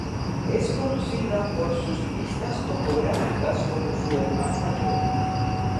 Es conocida por sus vistas topográficas como su hermano mayor.